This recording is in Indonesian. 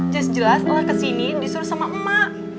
just jelas setelah kesini disuruh sama emak